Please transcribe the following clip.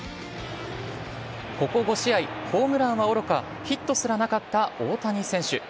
ここ５試合、ホームランはおろかヒットすらなかった大谷選手。